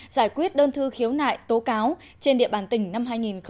giải quyết đơn thư khiếu nại tố cáo trên địa bàn tỉnh năm hai nghìn một mươi sáu